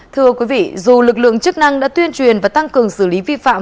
thưa quý vị dù lực lượng chức năng đã tuyên truyền và tăng cường xử lý vi phạm